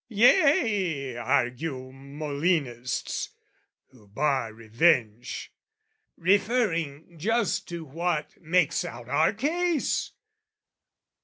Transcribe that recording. Yea, argue Molinists who bar revenge Referring just to what makes out our case!